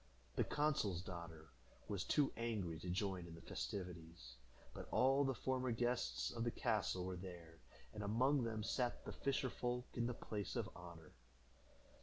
The consul's daughter was too angry to join in the festivities, but all the former guests of the castle were there, and among them sat the fisher folk in the place of honor.